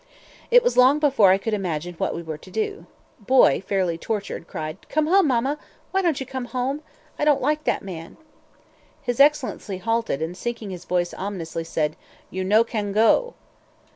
It was long before I could imagine what we were to do. Boy, fairly tortured, cried "Come home, mamma! why don't you come home? I don't like that man." His Excellency halted, and sinking his voice ominously, said, "You no can go!"